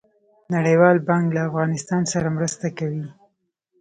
نړیوال بانک له افغانستان سره مرسته کوي